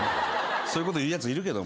そういうこと言うやついるけど。